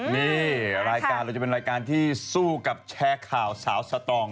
นี่รายการเราจะเป็นรายการที่สู้กับแชร์ข่าวสาวสตอง